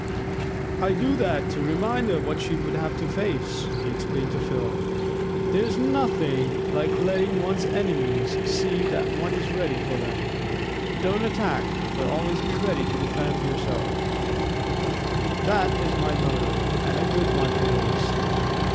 "I do that to remind her what she would have to face," he explained to Phil. "There's nothing like letting one's enemies see that one is ready for them. 'Don't attack, but always be ready to defend yourself; this is my motto, and a good one it is."